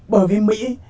bởi vì mỹ